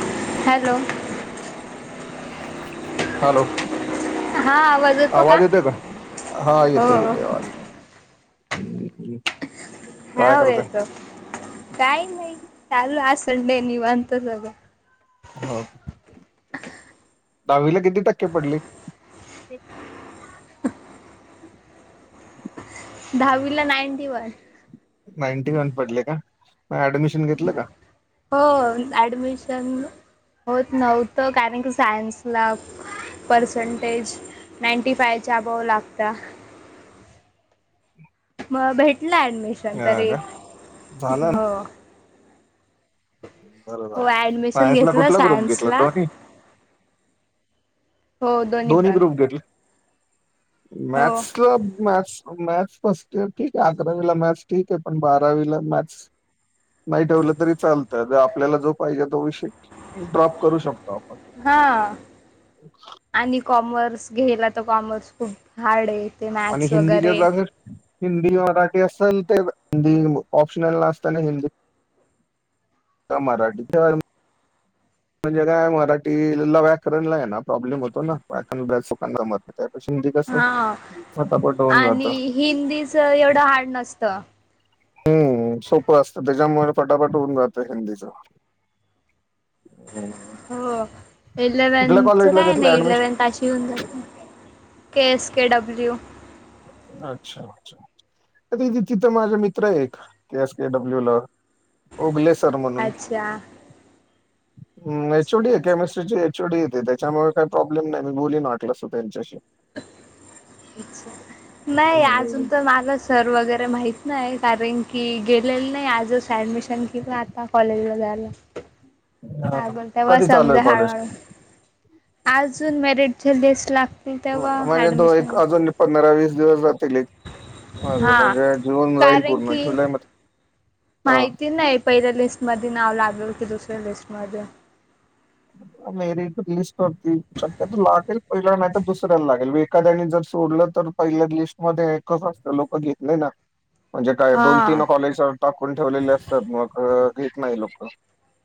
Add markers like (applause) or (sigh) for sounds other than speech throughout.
(inaudible) Hello.. (inaudible) hello.. आवाज येतोय का? हा हो येतोय- येतोय आवाज. हम्म (inaudible) हा काय करताय येतोय काही नाही. चालू आज संडे निवांत सगळ. हो... (inaudible) दहावीला किती टक्के पडले? (unintelligible) दहावी (inaudible) ला नाईंटी वन. नाईंटी वन पडले का? मग ऍडमिशन घेतलं का हो ऍडमिशन होत नव्हतं कारण कि सायन्स ला (inaudible) पर्सेंटेज (inaudible) नाईंटी फाय अभाव लागत्या. (inaudible) मग भेटला ऍडमिशन हा तरी का झालं ना हो. बरं हो झालं ॲडमिशन सायसला घेतलं कुठला गूम घेतला? सायन्सला दोन्ही. हो दोन्ही पण ग्रुप घेतले. हो माचला मा. मॅथ्स फर्स्टर ठीक आहे अकरावीला मॅथ्स ठीक आहे पण बारावीला मॅथ्स. नाही ठेवलं तरी चालतं आपल्याला जो पाहिजे तो विषय ड्रॉप करू शकतो. आपण हा. आणि कॉमर्स घ्यायला तर कॉमर्स खूप हार्ड आहे. ते आणि मॅथ्स वगैरे हिंदीच्या हिंदी मराठी असेल ते हिंदी ऑप्शनल न असताना हिंदी. का मराठीच्यार? म्हणजे काय? मराठीला व्याकरण ला आहे ना, प्रॉब्लेम होतो ना व्याकरणभ्यासोकांना मत नाही.. त्याप त कस हा फटापट होऊन जात. आणि हिंदीच एवढं हार्ड नसतं. हम्म सोप असतं त्याच्यामुळे फटाफट होऊन जातं हिंदीच. हो. कुठल्या इलेवन्थच कॉलेजला काय घेतलं नाही ऍडमिशन इलेवन्थ अशी होऊन जाते. के एस के डब्ल्यू.. अच्छा अच्छा. थ तिथं माझे मित्र एक के एस के डब्ल्यू ला उगले. अच्छा. हम अच्छा एचओडी आहे केमिस्ट्रीची एचओडी येते त्याच्यामुळे काही प्रॉब्लेम नाही मी बोलीन वाटलास त्यांच्याशी. अच्छा. नाही हम्म. अजून तर मला सर वगैरे माहिित. नाही कारण की गेलेलं नाही आजच ऍडमिशन किवा आता कॉलेजला जाला. हा, स हा. बोल तेव्हा कधी चालू आहे समजा कॉलेज हळूहळू अजून, मॅरिटचे लिस्ट लागत. म्हणजे तो एक अजून पंधरा वीस दिवस जातील एक. अ हा. म्हणजे जून राईल कारण पूर्ण की जुलै म. माहिती नाही पहिल्या लिस्ट म नाव लागलेल की दुसऱ्या लिस्ट म. मेरी रिलीज करती्या लागेल. पहिला नाही तर दुसऱ्याला लागेल एखाद्याने जर सोडलं तर पहिल्या लिस्टमध्येध्ये एकच असतं लोक घेतले ना. म्हणजे काय हा दोन तीन कॉलेज टाकून ठेवलेले असतात मग. ेत नाही लोक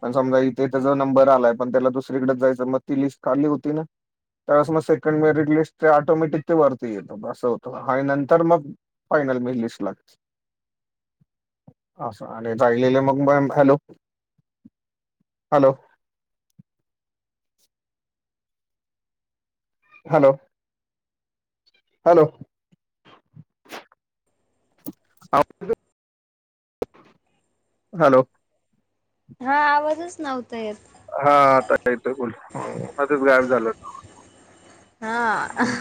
पण समजा इथे त्याचा नंबर आलाय. पण त्याला दुसरीकडे जायचं मग ती लिस्ट खाल्ली होती ना. त्यावेळे मग सेकंड मेरिट लिस्ट ते ऑटोमॅटिक ते वरती येत अससं होतं. आणि नंतर मग. म लस लाग. अस आणि राहिलेले मग ma'am hello. Hello. Hello hello. आवाज येतोय हॅलो. हा आवाजच नव्हता. येत. हाता बोला मधिच गायब झालं. हा. हम्म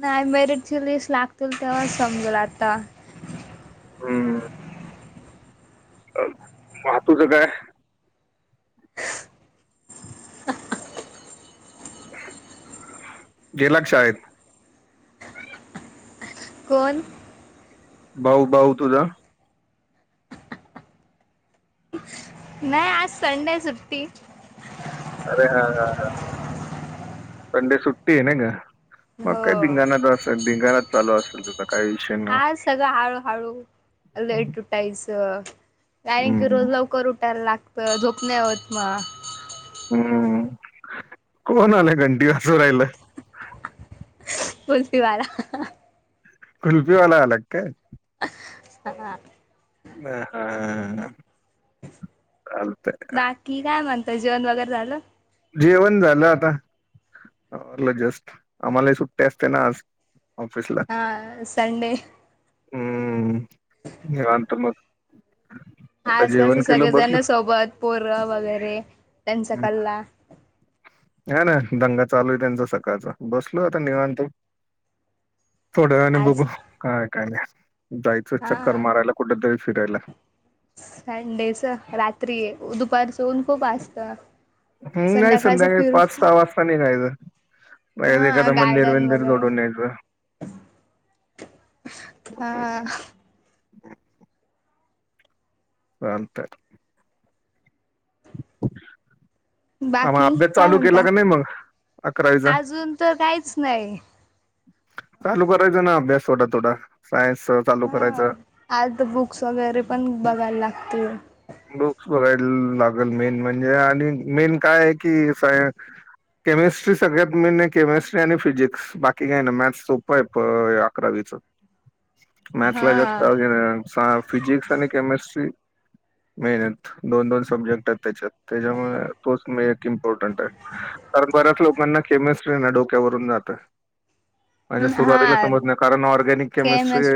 नाही मेरिटची लीस लागतील तेव्हा समजल आता. हम्म. तुज काय? गेला का शाळेत? कोन? भाऊ भाऊ तुझा. नाही आज संडे सुट्टी. अरे हा ह संडे सुट्टी आहे नाही का? मग हो काय धिंगाणा असल धिंगाणा चालू असेल तुझ काही विषय. ना हा सगळं हळू, हळू लेट उटायचं कारण की रोज हम्म लवकर उठायला लागत, झोप नाही होत मग. हम्म, कोण आलं घंटी वाजू राहील? कुल्फीवाला. कुल्फीवाला आला काय? हा. बर आलो. बाकी काय म्हणताय, जेवण वगैरे झालं? जेवण झालं आता. जस्ट आम्हाला सुट्टी असते ना आज ऑफिसला. हा संडे हम्म निवांत मग. आता आज काय तर जेवण केलं सगळेजण बसलो सोबत पोरं वगैरे त्यांचा कल्ला हाय ना दंगा चालू आहे त्यांचा सकाळचा. बसलोय आता निवांत. थोड्या वेळाने आज बघू काय आहे काय नाही, जायचं चक्कर हा मारायला कुठतरी. फिरायला. संडेच रात्री आहे दुपारच ऊन खूप असतं. हम्म नाही संध्याकाळचं संध्याकाळी फिरू पाच, सहा वाजता निघायचं. मग हा एखादा मंदिर गार्डन विंदिर वगैरे झोडून यायचं. हा. चालतंय. आ मग बाकी अभ्यास काय चालू केला म्हणता? का नाही मग अजून तर काहीच नाही. चालू करायच ना, अभ्यास थोडा थोडा. हा आत बुक्स वगैरे पण बघायला लागतील. बुक्स बघयला लागलं मेन म्हणजे आणि मेन काय आहे की सा केमिस्ट्री सगळ्यात मेन आहे. केमिस्ट्री आणि फिजिक्स बाकी काय नाय मॅथ्स सोपं आहे अकरावीचं. मॅथ्सला हा जास्त फिजिक्स आणि केमिस्ट्री मेहनत. दोन, दोन सब्जेक्ट आहेत त्याच्यात. त्याच्यामुळे तोच मेन एक इम्पॉर्टंट आहे. कारण बऱ्याच लोकांना केमिस्ट्रींना डोक्यावरून जाते. म्हणजे सुरुवातीला हा समजत नाही, कारण ऑर्गेनिक केमिस्ट्री केमस्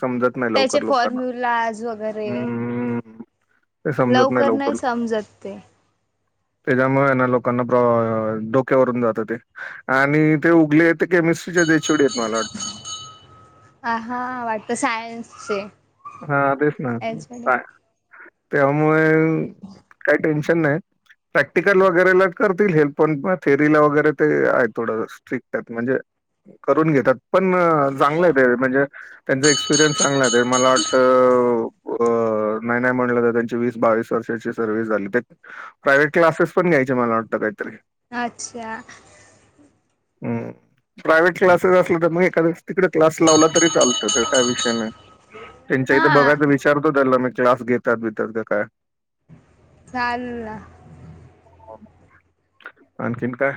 समजत नाही लवकर लोकांना. बरे. हम्म. ते समजत नाही लवकर. ते त्याच्यामुळे ना लोकांना डोक्यावरून जात ते आणि ते उगले ते केमिस् स्ट्रीचे एचओडी आहेत मला वाटतं. अं हा वाटत सायन्सचे. हा तेच ना याच्याकडे काय त्यामुळे काही टेन्शन नाही. प्रॅक्टिकल वगैरेला करतील हेल्प, पण थेरीला वगैरे ते आहे थोडं स्ट्रिक्ट आहेत. म्हणजे करून घेतात, पण चांगलं आहे ते म्हणजे त्यांचा एक्सपिरियन्स चांगला आहे. ते मला वा अ अ नाही, नाही म्हणलं तर त्यांची वीस, बावीस वर्षाची सर्व्हिस झाली. ते प्रायव्हेट क्लासेस पण घ्यायचे मला वाटतं कायतरी. अच्छा. हम्म प्रायव्हेट क्लासेस असलं तर मग एखाद तिकडे क्लास लावला तरी चालतो त्यात काय विषय नाही‌. त्यांच्या इथे हा बघायच विचारतो त्याला मी क्लास घेतात बितात का काय चालल ना. आणखीन काय?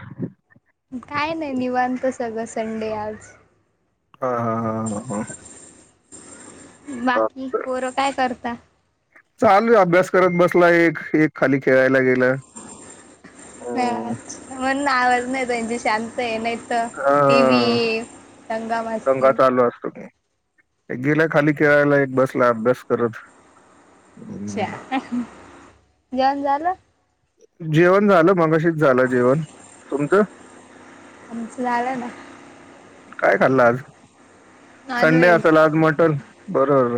काय नाही निवांत सगळं संडे आज. हा, हा, हा, हा, हा. बाकी पोरं काय करता? चाल अभ्यास करत बसला एक एक खाली खेळायला गेलं. च म्हण आवाज नाहीची शांत आहे नाही. तर हा टी. व्ही दंगा मस्ती दंगा चालू असतो की. गेला खाली खेळायला एक बसला अभ्यास करत. हम्म. अच्छा. जेवण झालं? जेवण झालं मगाशी झालं जेवण. तुमचं? आमचं झालं ना काय खाल्लं आज संडे नॉनव्हेज असेल आज मटन बरोबर.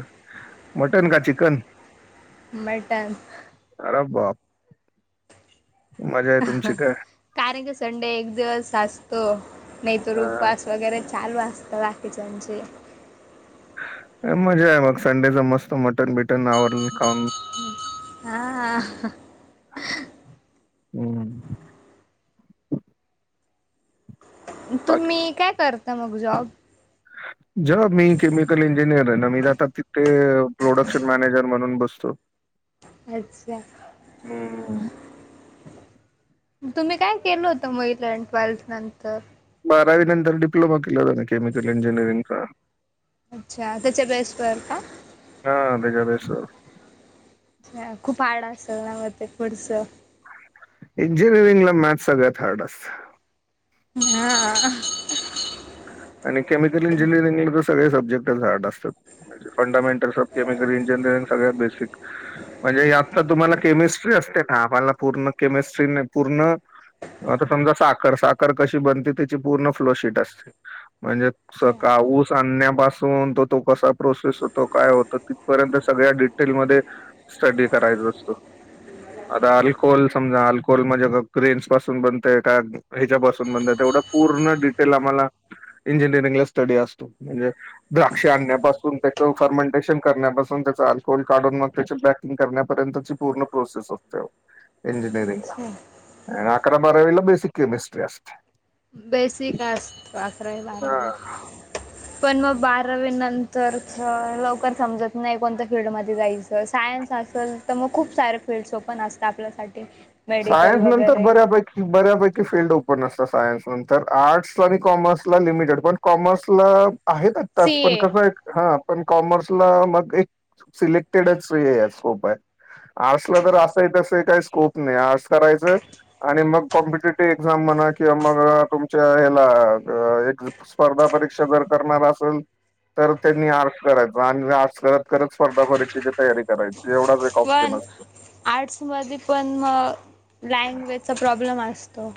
मटन का चिकन? मटन. अरे बाप मजा आहे तुमची काय? कारण की संडे एक दिवस असतो. नाही तर हा. उपवास वगैरे चालू असतात बाकीच्यांचे. मजा आहे मग संडेच मस्त मटन बिटन आवर खाऊन. आह. हम्म. तुम्ही काय करता मग जॉब? (inaudible) ज मी केमिकल इंजिनिअर आहे ना मी जात तिथे प्रोडक्शन मॅनेजर म्हणून बसतो. (inaudible) हम्म. तुम्ही काय केलं होत महिल ट्वेल्थ नंतर? बारावी नंतर डिप्लोमा केला होता केमिकल इंजिनिअरिंगचा. अच्छा त्याच्या बेसवर का? हा बघा बस अ खूप हार्ड असेल ना मग ते पुडच? इंजिनिअरिंग ला मॅथ्स सगळ्यात हार्ड असतं. हा. आणि केमिकल इंजीनियरिंग ला ज सगळे सब्जेक्टच हार्ड असतात म्हणजे फंडामेंटल सबकेमिकल इंजीनियरिंग सगळ्यात बेसिक म्हणजे आता तुम्हाला केमिस्ट्री असते ना, आम्हाला पूर्ण केमिस्ट्री नाही पूर्ण आता समजा साखर साखर कशी बनते त्याची पूर्ण फ्लोशीट असते. म्हणजे अच्छा. सकाऊस आणण्या पासून तो कसा प्रोसेस होतो, काय होतो तिथपर्यंत सगळ्या डिटेल मध्ये स्टडी करायचा असतो. आता अल्कोहोल समजा अल्कोहोल म्हणजे ग्रेन्स पासून बनतय का ह्याच्या पासून बन पूर्ण डिटेल आम्हाला इंजिनिअरिंगला स्टडी असतो, म्हणजे द्राक्ष आणण्यापासून त्याच फर्मेंटेशन करण्याप पासून त्याचं अल्कोहोल काढून मग त्याची पॅकिंग करण्यापर्यंतची पूर्ण प्रोसेस असतेओ इंजीन निअरिंगला अच्छा. आणि अकरा बारावीला बेसिक केमिस्ट्री असते. आकरावी हा बारावी पण मग बारावी नंतरचं लवकर समजत नाही कोणत्या फिल्डमध्ये जायचं. सायन्स असल तर मग खूप सारे फील्ड्स ओपन असतात आपल्यासाठी. मेडिकल सायन्स नंतर वगैरे. बऱ्यापैकी बऱ्यापैकी फील्ड ओ पन असतात सायन्स नंतर आर्टसला आणि कॉमर्सला लिमिटेड पण कॉमर्सला आहेत आता सी पण ए. कसंए हां पण कॉमर्सला मग एक सिलेक्टेडच हे स्कोप आहे. आर्ट्सला तर असंही तसंही काही स्कोप नाही. आर्ट्स करायचं आणि मग कॉम्पिटेट ट एक्झाम म्हणा किंवा मग तुमच्या ह्याला अ एक स्पर्धा परीक्षा जर करणार असल तर त्यांनी आर्टस करायचा आणि आर्टस करत करत स्पर्धा परीक्षेची तयारी करायची. एवढाच एक ऑप्शन असतो. म लँग्वेजचा प्रॉब्लम असतो.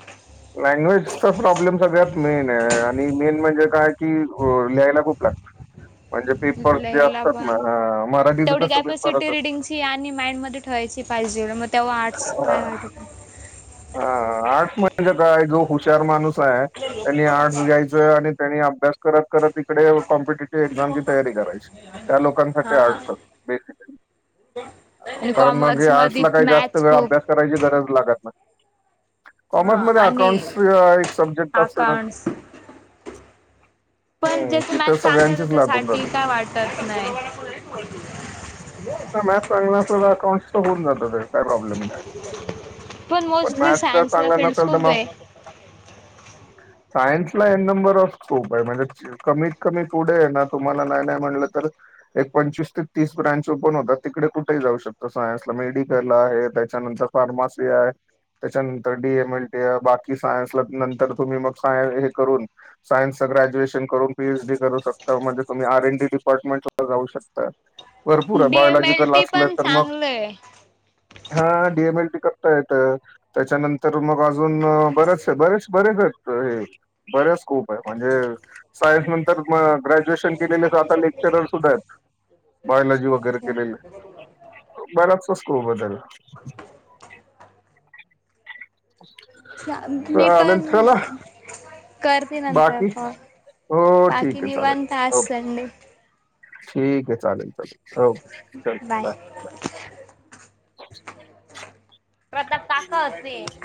लँग्वेजचा प्रॉब्लेम सगळ्यात मेनए आणि मेन म्हणजे काय की अ लिहायला खूप लागतं. (unintelligible) पेपर्स जे लेहायला असतात ना पण हां, मराठीचं तेवढी कसं पेपर कॅपसिटी असतात रिडिंगची आणि माइंड मध्ये ठेवायची. पाहिजे मग तेव्हा आर्टस काय वाट हा आर्ट्स म्हणजे काय जो हुशार माणूस आहे त्यांनी आर्टस घ्यायचं आणि त्यानी अभ्यास करत करत इकडे कॉम्पिटेटिव्ह एक्झामची तयारी करायची. त्या हा लोकांसाठी आर्ट्स बेसिक आणि कारण मग हे कॉमर्समध्ये आर्ट्सला काही जास्त मॅथ्स वेळ खूप अभ्यास करायची गरज लागत नाही. हा कॉमर्स मध्ये अकाउंट्स आणि एक सब्जेक्ट असतं ना अकाउंट्स पण हं, ज्याचं तिथं मॅथ चांगलं सगळ्यांचीच लागून त्याच्यासाठी जाते. काय वाटत नाही. हा मॅथ चांगलं असलं त अकाउंट्सचं होऊन जातं ते काय प्रॉब्लेम (unintelligible) पण मोस्टली मॅथ्स जर सायन्सला चांगलं फील्ड्स नसल तर खूप मग आहे (inaudible) सायन्सला हे नंबर ऑफ स्कोप आहे म्हणजे कमीत कमी पुढे आहे ना तुम्हाला नाही नाही म्हणलं तर एक पंचवीस ते तीस ब्रां ओपन होतात, तिकडे कुठेही जाऊ शकता सायन्सला, मेडिकल आहे, त्याच्यानंतर फार्मसी आहे त्याच्यानंतर डीमएलटी ए बाकी सायन्सला नंतर तुम्ही मग हे करून सायन ग्रॅज्युएशन करून पीएच डी करू शकता, म्हणजे तुम्ही आर एन डी डिपार्टमेंट सुद्धा जाऊ शकता. भरपूर हे D M L biological T असलं पण तर मग चांगलं आहे. हा डी एम एल टी करता येतं. त्याच्यानंतर मग अजून बरेचए बरेच बरेच आहेत. बरेच स्कोप आहे म्हणजे सायन्स नंतर अ ग्रॅज्युएशन केलेले तर आता लेक्च रर सुद्धा हेत, बायलॉजी वगैरे केलेले अच्छा बराचस स्कोपे त्याला. चा मी चालेल पण चला करते नंतर बाकी फोन. हो बाकी ठीक निवांत आज संडे. ठीके चालेल चालेल. ओके चल बाय बाय. (inaudible) प्रताप काका असते